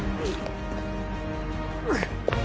うっ